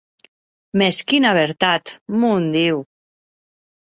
Mès quina vertat, mon Diu!